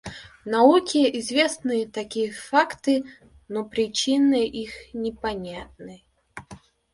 Науке известны такие факты, но причины их непонятны.